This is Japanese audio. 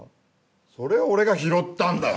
それを俺が拾ったんだよ！